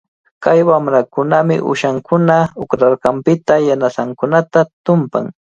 Kay wamrakunami uyshankuna uqranqanpita yanasankunata tumpan.